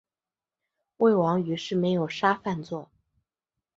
魏王于是没有杀范痤。